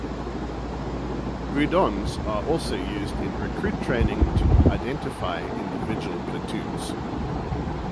Guidons are also used in recruit training to identify individual platoons.